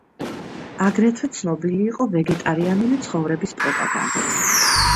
აგრეთვე ცნობილი იყო ვეგეტარიანული ცხოვრების პროპაგანდით.